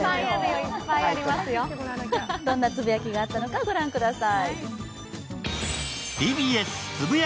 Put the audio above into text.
どんなつぶやきがあったのかご覧ください。